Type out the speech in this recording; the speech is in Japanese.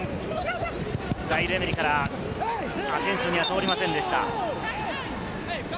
ザイール＝エメリからアセンシオには通りませんでした。